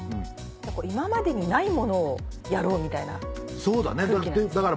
今までにないものをやろうみたいな空気なんですね。